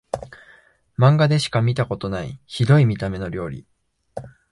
マンガでしか見たことないヒドい見た目の料理